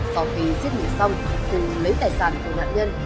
sau khi giết người xong thì lấy tài sản của nạn nhân